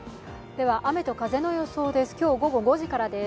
雨と風の予想です。